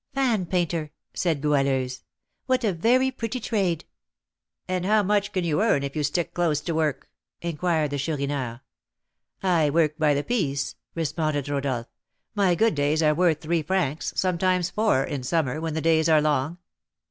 "Fan painter!" said Goualeuse, "what a very pretty trade!" "And how much can you earn if you stick close to work?" inquired the Chourineur. "I work by the piece," responded Rodolph; "my good days are worth three francs, sometimes four, in summer, when the days are long."